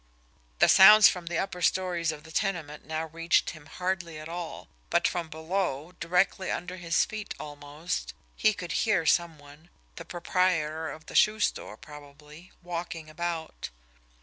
The sounds from the upper stories of the tenement now reached him hardly at all; but from below, directly under his feet almost, he could hear some one, the proprietor of the shoe store probably, walking about.